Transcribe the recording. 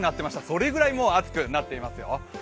それぐらい暑くなっていますよ。